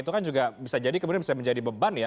itu kan juga bisa jadi kemudian bisa menjadi beban ya